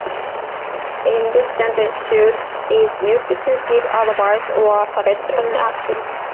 In this sentence, "should" is used to give advice or suggest an action.